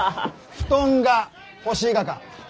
布団が欲しいがか？